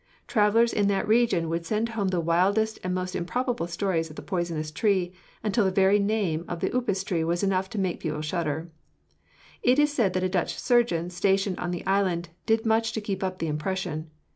Travelers in that region would send home the wildest and most improbable stories of the poison tree, until the very name of the upas was enough to make people shudder. It is said that a Dutch surgeon stationed on the island did much to keep up the impression.